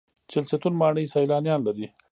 چهلستون ماڼۍ سیلانیان لري